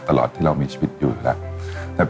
ตลอดที่เรามีชีวิตอยู่แล้ว